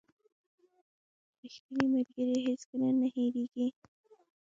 • ریښتینی ملګری هیڅکله نه هېریږي.